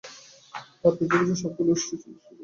তার পিছু পিছু সবগুলো উষ্ট্রী চলতে শুরু করল।